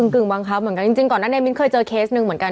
กึ่งบังคับเหมือนกันจริงก่อนนั้นในมิ้นเคยเจอเคสหนึ่งเหมือนกัน